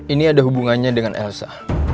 ini ada hubungannya dengan elsa